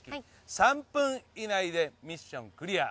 ３分以内でミッションクリア。